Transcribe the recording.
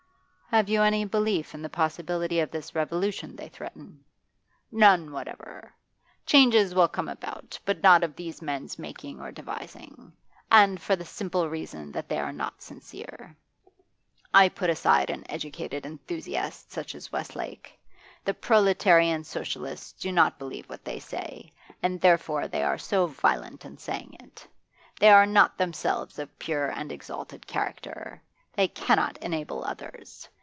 'Have you any belief in the possibility of this revolution they threaten?' 'None whatever. Changes will come about, but not of these men's making or devising. And for the simple reason that they are not sincere. I put aside an educated enthusiast such as Westlake. The proletarian Socialists do not believe what they say, and therefore they are so violent in saying it. They are not themselves of pure and exalted character; they cannot ennoble others.